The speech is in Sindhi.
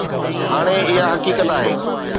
هاڻي اها حقيقت آهي